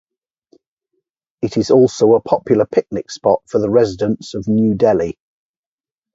It is also a popular picnic spot for the residents of New Delhi.